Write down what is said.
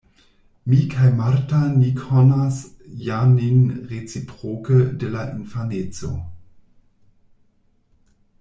Mi kaj Marta ni konas ja nin reciproke de la infaneco.